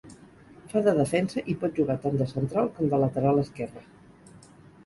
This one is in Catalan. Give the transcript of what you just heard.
Fa de defensa, i pot jugar tant de central com de lateral esquerre.